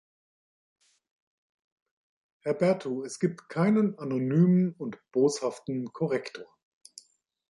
Herr Berthu, es gibt keinen anonymen und boshaften Korrektor.